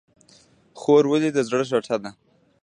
خور ولې د زړه ټوټه ده؟